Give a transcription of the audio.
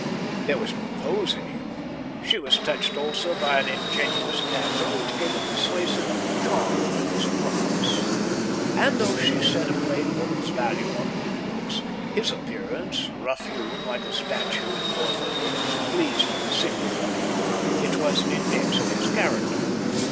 There was no pose in him. She was touched also by an ingenuous candour which gave a persuasive charm to his abruptness. And, though she set a plain woman's value on good looks, his appearance, rough hewn like a statue in porphyry, pleased her singularly. It was an index of his character.